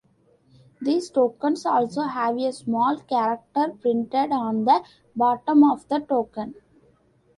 These tokens also have a small character printed on the bottom of the token.